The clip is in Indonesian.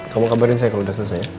kamu kabarin saya kalau udah selesai